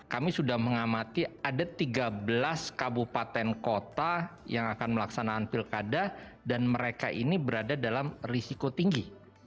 kami sudah mengamati ada tiga belas kabupaten kota yang akan melaksanakan pilkada dan mereka ini berada dalam risiko tinggi